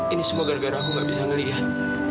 ini semua gara gara aku gak bisa ngelihat